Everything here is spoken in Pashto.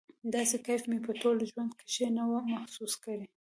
داسې کيف مې په ټول ژوند کښې نه و محسوس کړى.